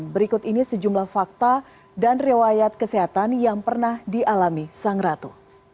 berikut ini sejumlah fakta dan riwayat kesehatan yang pernah dialami sang ratu